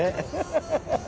ハハハ！